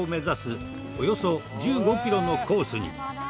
およそ１５キロのコースに。